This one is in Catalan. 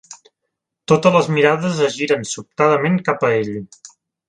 Totes les mirades es giren sobtadament cap a ell.